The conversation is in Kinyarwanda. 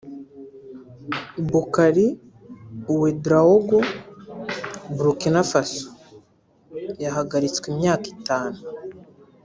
Boukari Ouedraogo (Burkina Faso) yahagaritswe imyaka itanu